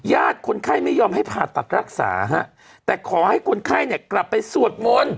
คนไข้ไม่ยอมให้ผ่าตัดรักษาฮะแต่ขอให้คนไข้เนี่ยกลับไปสวดมนต์